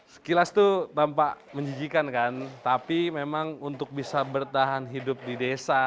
sekilas itu tampak menjijikan kan tapi memang untuk bisa bertahan hidup di desa